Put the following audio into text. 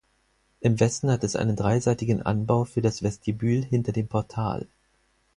Im Westen hat es einen dreiseitigen Anbau für das Vestibül hinter dem Portal.